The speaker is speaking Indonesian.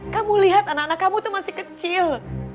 kamu lihat anak anak kamu itu masih kecil